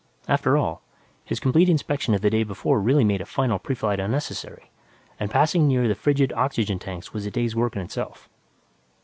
After all, his complete inspection of the day before really made a final preflight unnecessary, and passing near the frigid oxygen tanks was a day's work in itself.